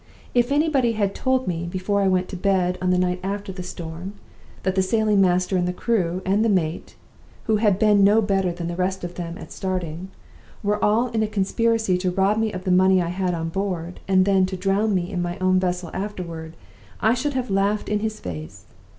If anybody had told me, before I went to bed on the night after the storm, that the sailing master and the crew and the mate (who had been no better than the rest of them at starting) were all in a conspiracy to rob me of the money I had on board, and then to drown me in my own vessel afterward, I should have laughed in his face.